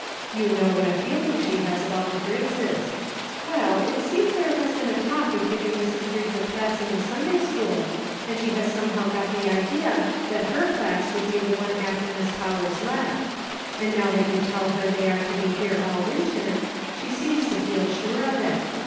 You know what a feeling she has about the Griggses. Well, lOO "I WILL. it seems there has been a talk of giving Mrs. Griggs a class in the Sunday school, and she has somehow got the idea that her class would be the one after Miss Powers left ; and now that you tell her they are to be here all winter, she seems to feel sure of it.